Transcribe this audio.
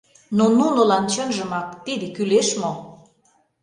Но нунылан чынжымак тиде кӱлеш мо?!